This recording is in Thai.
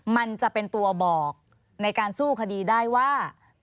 มันจะเป็นตัวบอกในการสู้คดีได้ว่า